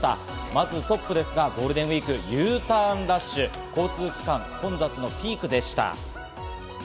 まずトップですがゴールデンウイーク、Ｕターンラッシュ、交通機関混雑のピークでした。